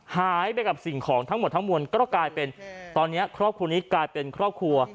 หายไปกับสิ่งของทั้งหมดทั้งมวลก็กลายเป็นตอนนี้ครอบครัวนี้กลายเป็นครอบครัว